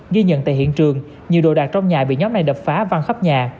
ghi nhận tại hiện trường nhiều đồ đạc trong nhà bị nhóm này đập phá văn khắp nhà